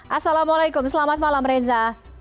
assalamualaikum selamat malam reza